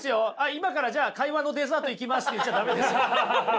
「今からじゃあ会話のデザートいきます」って言っちゃ駄目です。